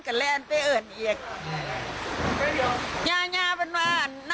โหยปี๖๒ก็กรียบถวมทะลามบน